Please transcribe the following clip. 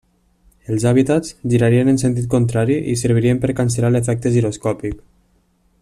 Els hàbitats girarien en sentit contrari i servirien per cancel·lar l'efecte giroscòpic.